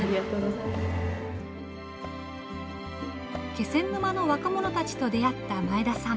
気仙沼の若者たちと出会った前田さん